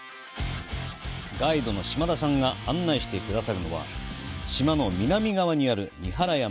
ガイドの島田さんが案内してくださるのは、島の南側にある三原山。